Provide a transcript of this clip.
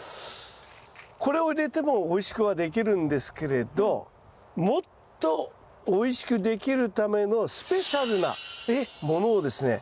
これを入れてもおいしくはできるんですけれどもっとおいしくできるためのスペシャルなものをですね